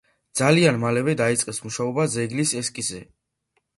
ძალიან მალევე დაიწყეს მუშაობა ძეგლის ესკიზზე.